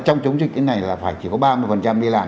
trong chống dịch cái này là phải chỉ có ba mươi đi làm